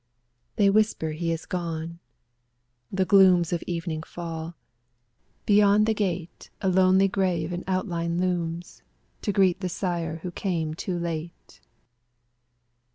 They whisper he is gone. The glooms Of evening fall; beyond the gate A lonely grave in outline looms To greet the sire who came too late.